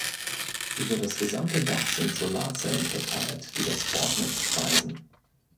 Über das gesamte Dach sind Solarzellen verteilt, die das Bordnetz speisen.